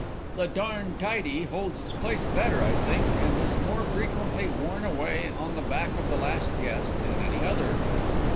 The darned tidy holds its place better, I think, and is more frequently worn away on the back of the last guest than any other.